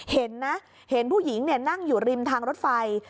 เห็นนะเห็นผู้หญิงนั่งอยู่ริมทางรถไฟ